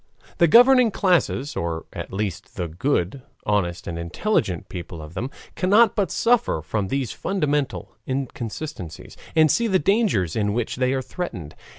The governing classes, or at least the good, honest, and intelligent people of them, cannot but suffer from these fundamental inconsistencies, and see the dangers with which they are threatened.